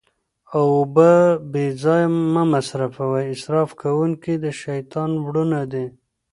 اوبه بې ځایه مه مصرفوئ، اسراف کونکي د شيطان وروڼه دي